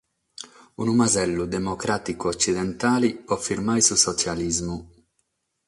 Unu masellu democràticu-otzidentale pro firmare su sotzialismu.